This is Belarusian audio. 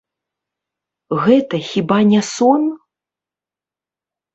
Гэта хіба не сон?